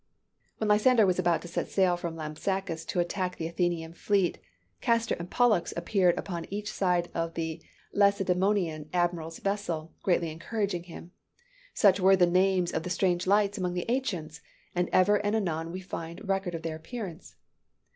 When Lysander was about to set sail from Lampsacus to attack the Athenian fleet, "Castor and Pollux" appeared upon each side of the Lacedemonian admiral's vessel, greatly encouraging him. Such were the names of the strange lights among the ancients: and ever and anon we find record of their appearance.